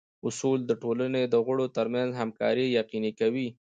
اصول د ټولنې د غړو ترمنځ همکاري یقیني کوي.